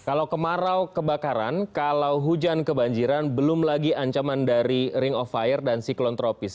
kalau kemarau kebakaran kalau hujan kebanjiran belum lagi ancaman dari ring of fire dan siklon tropis